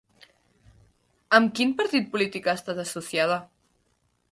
Amb quin partit polític ha estat associada?